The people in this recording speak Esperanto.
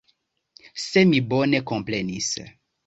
Se mi bone komprenis.